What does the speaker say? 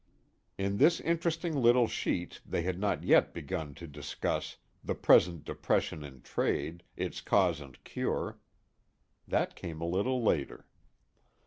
In this interesting little sheet they had not yet begun to discuss "The Present Depression in Trade Its Cause and Cure." That came a little later.